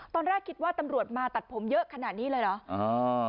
ตอนแรกคิดว่าตำรวจมาตัดผมเยอะขนาดนี้เลยเหรอ